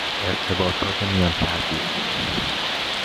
ارتباطات میان فردی